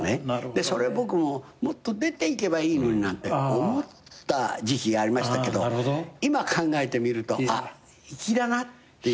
それ僕もっと出ていけばいいのになんて思った時期がありましたけど今考えてみると粋だなっていう。